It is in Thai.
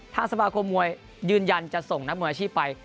ทางสมาคมมวยยืนยันจะส่งนักมวยอาชีพไป